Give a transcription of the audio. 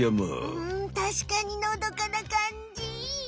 うんたしかにのどかなかんじ。